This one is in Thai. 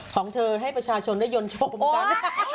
ของเธอให้ประชาชนได้ยนต์ชมกัน